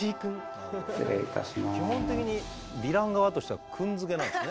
基本的にヴィラン側としては「くん」付けなんですね。